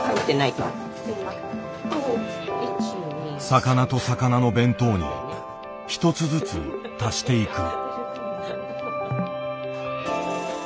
魚と魚の弁当に１つずつ足していく。